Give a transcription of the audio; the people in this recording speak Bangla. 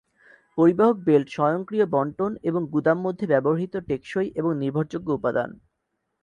পরিবাহক বেল্ট স্বয়ংক্রিয় বণ্টন এবং গুদাম মধ্যে ব্যবহৃত টেকসই এবং নির্ভরযোগ্য উপাদান।